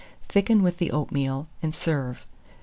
Thicken with the oatmeal, and serve.